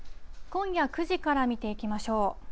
今夜９時から見ていきましょう。